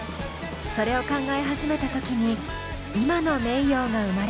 それを考え始めた時に今のｍｅｉｙｏが生まれました。